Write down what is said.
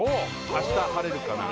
「明日晴れるかな」